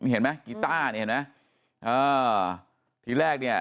เห็นไหมกีต้าเห็นไหมทีแรก